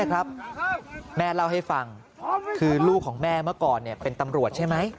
แม่เล่าให้ฟังคือลูกของแม่เมื่อก่อนเป็นตำรวจใช่ไหม